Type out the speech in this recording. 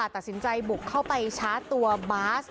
ตัดสินใจบุกเข้าไปชาร์จตัวบาส